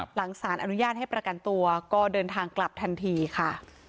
หลังสารอนุญาตให้ประกันตัวก็เดินทางกลับทันทีค่ะ